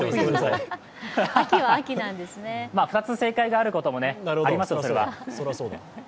２つ正解があることもあります、それは。